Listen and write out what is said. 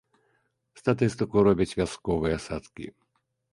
Статыстыку робяць вясковыя садкі.